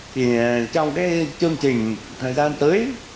thì trong cái chương trình thời gian tới